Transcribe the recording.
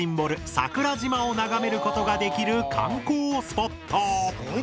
桜島を眺めることができる観光スポット。